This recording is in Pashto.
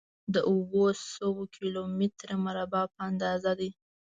د اووه سوه کيلو متره مربع په اندازه دی.